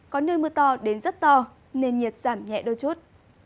có nơi mưa to đến rất to nền nhiệt giảm nhẹ đôi chút